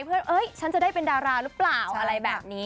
เฮ้ยฉันจะได้เป็นดาราหรือเปล่าอะไรแบบนี้